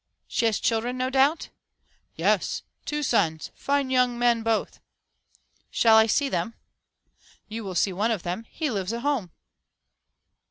She has children, no doubt?" "Yes, two sons fine young men both." "Shall I see them?" "You will see one of them he lives at home."